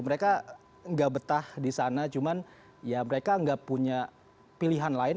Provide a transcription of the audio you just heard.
mereka nggak betah di sana cuman ya mereka nggak punya pilihan lain